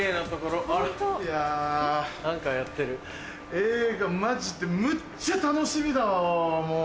映画マジでむっちゃ楽しみだわもう！